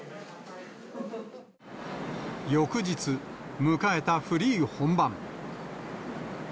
翌日、迎えたフリー本番。